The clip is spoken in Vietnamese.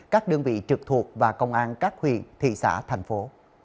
các đơn vị trực thuộc và công an các huyện thị xã thành phố